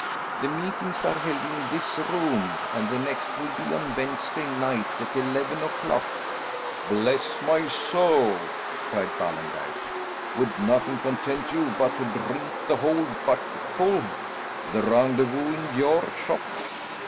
"The meetings are held in this room, and the next will be on Wednesday night at eleven o'clock." "Bless my soul!" cried Ballengeich. "Would nothing content you but to drink the whole bucketful? The rendezvous in your shop!